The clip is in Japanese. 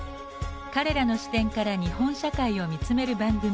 彼らの視点から日本社会を見つめる番組。